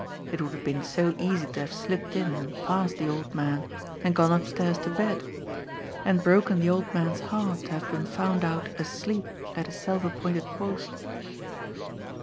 It would have been so easy to have slipped in, and passed the old man, and gone upstairs to bed and broken the old man's heart to have been found out asleep at his self appointed post.